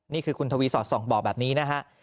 นี่คือคุณทวีสอดส่องบอกแบบนี้นะฮะ